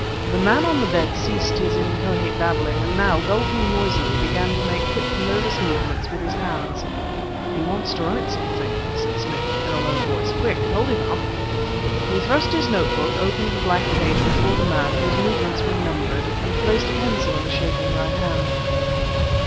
The man on the bed ceased his inchoate babbling and now, gulping noisily, began to make quick nervous movements with his hands. "He wants to write something," said Smith in a low voice. "Quick! hold him up!" He thrust his notebook, open at a blank page, before the man whose movement were numbered, and placed a pencil in the shaking right hand.